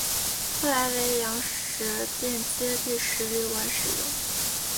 后来为粮食店街第十旅馆使用。